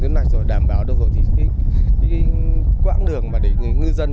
tuyến lạch rồi đảm bảo được rồi thì cái quãng đường mà để người ngư dân